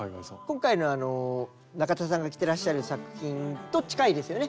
今回の中田さんが着てらっしゃる作品と近いですよね。